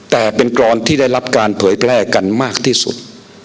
แต่เป็นกรอนที่ได้รับการเผยแพร่กันมากที่สุด